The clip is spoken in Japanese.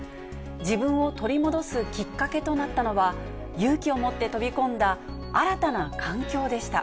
自分を取り戻すきっかけとなったのは、勇気を持って飛び込んだ、新たな環境でした。